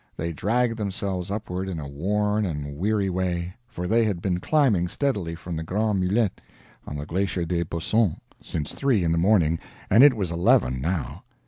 They dragged themselves upward in a worn and weary way, for they had been climbing steadily from the Grand Mulets, on the Glacier des Bossons, since three in the morning, and it was eleven, now.